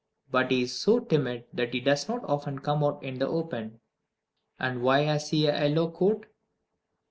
But he is so timid that he does not often come out in the open. And why has he a yellow coat?